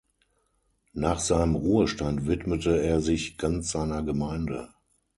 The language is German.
Nach seinem Ruhestand widmete er sich ganz seiner Gemeinde.